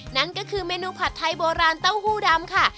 นั่นก็คือเมนูผัดไทยโบราณเต้าหู้ดำค่ะ